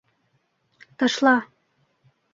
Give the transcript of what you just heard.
Ташла!